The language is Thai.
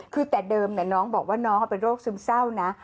คือแต่เดิมน้องบอกว่าน้องเขาเป็นโรคซึมเศร้านะ